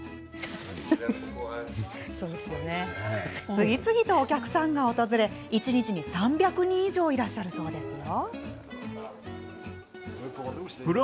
次々とお客さんが訪れ一日に３００人以上来るんだそうですよ。